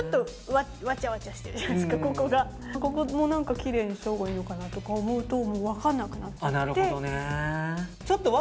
ここもきれいにしたほうがいいのかなとか思うと分からなくなっちゃって。